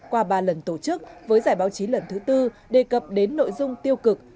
qua ba lần tổ chức với giải báo chí lần thứ tư đề cập đến nội dung tiêu cực